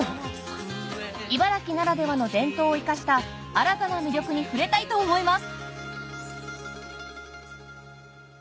茨城ならではの伝統を生かした新たな魅力に触れたいと思います